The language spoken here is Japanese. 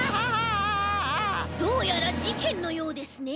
どうやらじけんのようですね。